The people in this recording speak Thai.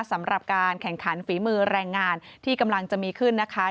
สำหรับการแข่งขันฝีมือแรงงานที่กำลังจะมีขึ้นนะคะ